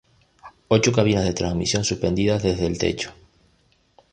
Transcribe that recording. Ocho cabinas de transmisión suspendidas desde el techo.